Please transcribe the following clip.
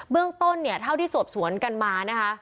เรื่องต้นเนี่ยเท่าที่สอบสวนกันมานะคะ